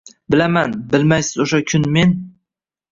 Bilaman, bilmaysiz o’sha kuni men